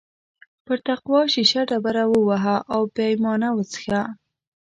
پر تقوا شیشه ډبره ووهه او پیمانه وڅښه.